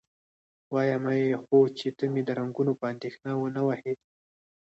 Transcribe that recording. وایمه یې، خو چې ته مې د رنګونو په اندېښنه و نه وهې؟